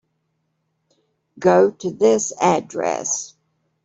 Go to this address.